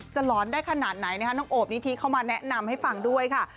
หลอนได้ขนาดไหนนะคะน้องโอบนิธิเข้ามาแนะนำให้ฟังด้วยค่ะ